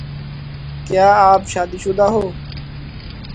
کیا آپ شادی شدہ ہو